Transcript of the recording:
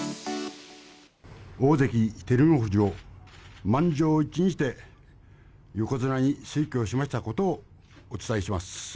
大関・照ノ富士を、満場一致にて、横綱に推挙しましたことをお伝えします。